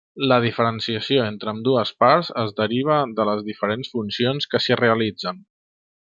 La diferenciació entre ambdues parts es deriva de les diferents funcions que s'hi realitzen.